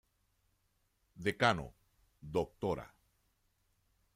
Decano: Dra.